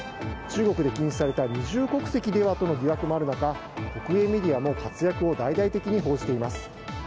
中国で禁止された二重国籍ではともある中国営メディアも活躍を大々的に報じています。